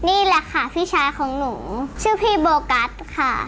นี่แหละค่ะพี่ชายของหนูชื่อพี่โบกัสค่ะ